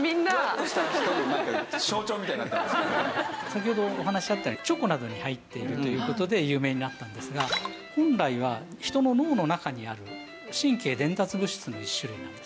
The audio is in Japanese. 先ほどお話あったようにチョコなどに入っているという事で有名になったんですが本来は人の脳の中にある神経伝達物質の１種類なんですね。